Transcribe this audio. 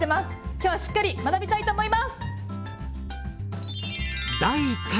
今日はしっかり学びたいと思います！